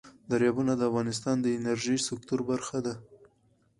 دریابونه د افغانستان د انرژۍ سکتور برخه ده.